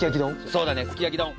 そうだねすき焼き丼。